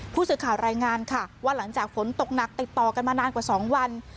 ผู้สื่อข่าวรายงานค่ะว่าหลังจากฝนตกหนักติดต่อกันมานานกว่า๒วัน